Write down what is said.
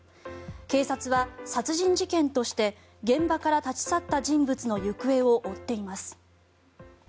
警察は殺人事件として現場から立ち去った人物の行方を追っています。